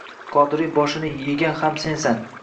Qodiriy boshini yegan ham sensan!